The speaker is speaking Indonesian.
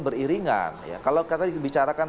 beriringan kalau kita bicarakan